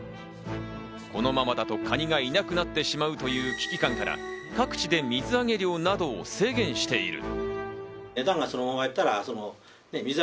このままだとカニがいなくなってしまうという危機感から各地で水揚げ量などを制限している。